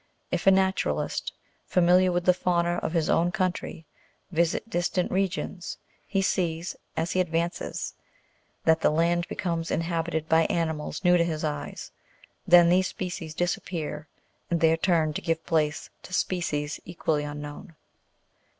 If a naturalist familiar with the fauna* of his own coun try, visit distant regions, he sees, as he" advances, that the land becomes inhabited by animals new to his eyes; then these species disappear, in their turn to give place to species equally unknown.